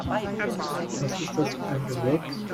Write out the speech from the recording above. Was ist das für ein Gewürz?